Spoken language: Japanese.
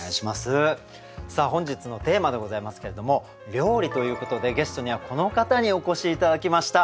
さあ本日のテーマでございますけれども「料理」ということでゲストにはこの方にお越し頂きました。